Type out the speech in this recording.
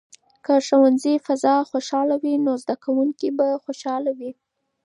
که د ښوونځي فضا خوشحاله وي، نو زده کوونکي به خوشاله وي.